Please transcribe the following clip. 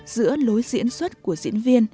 giữa lối diễn xuất của diễn viên